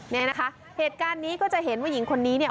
เนี่ยนะคะเหตุการณ์นี้ก็จะเห็นว่าหญิงคนนี้เนี่ย